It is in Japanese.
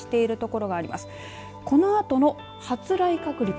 このあとの発雷確率